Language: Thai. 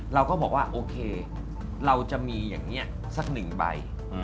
เราก็บอกว่าโอเคเราจะมีอย่างนี้สักหนึ่งใบ